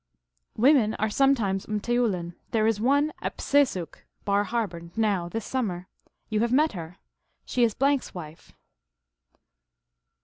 "Women are sometimes rrfteoulin. There is one at Psesuk (Bar Harbor) now, this summer. You have met her. She is s wife.